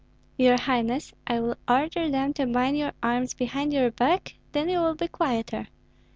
"Your highness, I will order them to bind your arms behind your back; then you will be quieter."